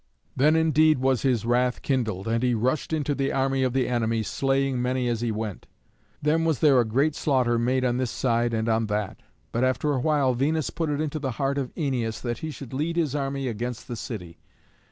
Then indeed was his wrath kindled, and he rushed into the army of the enemy, slaying many as he went. Then was there a great slaughter made on this side and on that. But after a while Venus put it into the heart of Æneas that he should lead his army against the city.